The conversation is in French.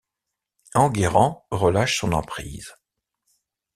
Enguerrand relâche son emprise.